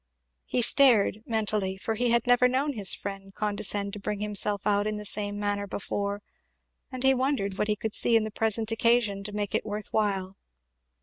He stared, mentally, for he had never known his friend condescend to bring himself out in the same manner before; and he wondered what he could see in the present occasion to make it worth while.